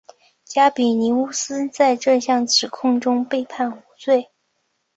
加比尼乌斯在这项指控中被判无罪。